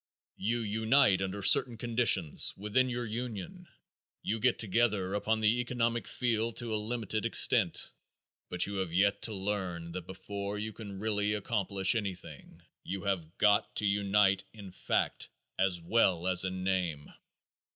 You unite under certain conditions within your union, you get together upon the economic field to a limited extent, but you have yet to learn that before you can really accomplish anything you have got to unite in fact as well as in name.